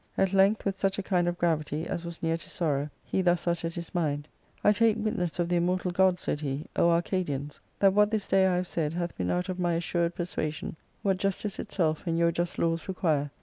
At length, with such a kind of gravity as was near to sorrow, he thus uttered his mind :" I take witness of the immortal gods," said he, " O Arcadians, that what this day I have said hath been out of my assured persuasion what justice itself and your just laws require.